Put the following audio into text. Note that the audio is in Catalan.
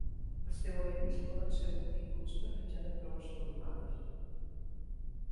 Els teoremes poden ser obtinguts per mitjà de proves formals.